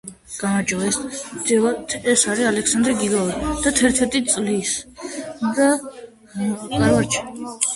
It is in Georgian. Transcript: მდებარეობს სამხრეთ აფრიკის რესპუბლიკაში, ფრი-სტეიტის პროვინციაში.